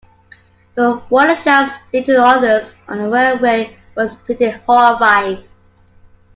But what the Japs did to the others on the railway was pretty horrifying.